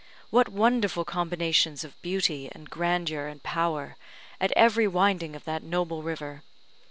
What wonderful combinations of beauty, and grandeur, and power, at every winding of that noble river!